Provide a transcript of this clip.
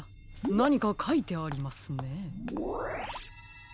なにかかいてありますね。